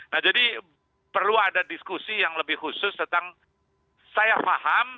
nah jadi perlu ada diskusi yang lebih khusus tentang saya faham